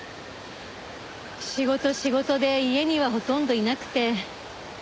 仕事仕事で家にはほとんどいなくて。